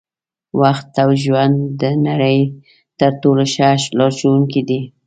وخت او ژوند د نړۍ تر ټولو ښه لارښوونکي دي.